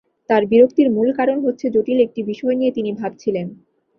তাঁর বিরক্তির মূল কারণ হচ্ছে, জটিল একটি বিষয় নিয়ে তিনি ভাবছিলেন।